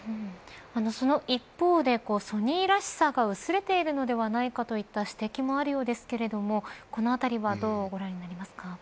その一方でソニーらしさが薄れているのではないかといった指摘もあるようですけれどもこのあたりはどうご覧になりますか。